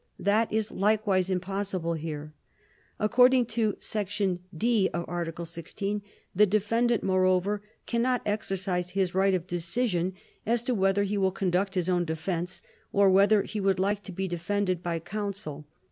That is likewise impossible here. According to Section (d) of Article 16 the defendant moreover can not exercise his right of decision as to whether he will conduct his own defense or whether he would like to be defended by counsel.